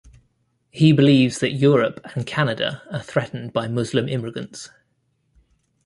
He believes that Europe and Canada are threatened by Muslim immigrants.